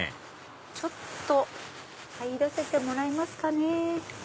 ちょっと入らせてもらいますかね。